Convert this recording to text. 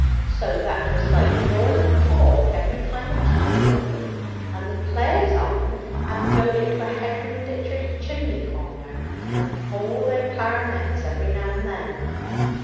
so that 'twas like drawing a cork every time a key was opened; and the players o' 'em had to go into a hedger and ditcher's chimley corner, and thaw their clar'nets every now and then.